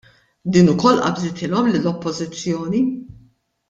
Din ukoll qabżitilhom lill-Oppożizzjoni.